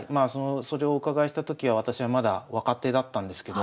それをお伺いした時は私はまだ若手だったんですけど